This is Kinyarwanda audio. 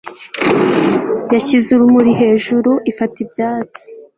Yashyize urumuri hejuruifata ibyatsi